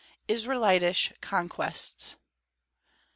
ISRAELITISH CONQUESTS.